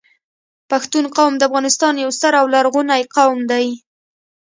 پښتون قوم د افغانستان یو ستر او لرغونی قوم دی